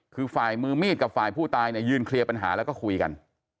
คือฝ่ายมือมีดกับฝ่ายผู้ตายเนี่ยยืนเคลียร์ปัญหาแล้วก็คุยกัน